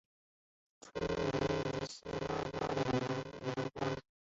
出生于尼加拉瓜的马拿瓜。